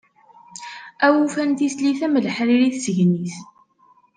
Awufan tislit am leḥrir i tsegnit!